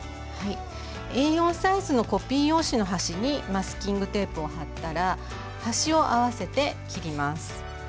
はいＡ４サイズのコピー用紙の端にマスキングテープを貼ったら端を合わせて切ります。